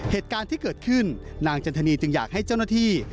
เหตุการณ์ที่เกิดขึ้นนางจันทนีจึงอยากให้เจ้าหน้าที่